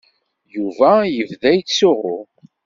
Yuba yebda yettsuɣu.